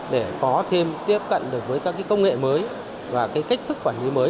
để có thêm tiếp cận được với các công nghệ mới và cách thức quản lý mới